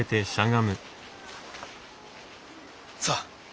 さあ。